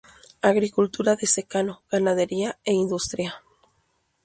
Agricultura de secano, ganadería e industria.